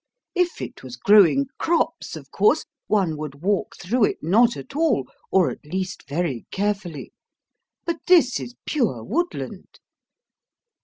If it was growing crops, of course, one would walk through it not at all, or at least very carefully. But this is pure woodland.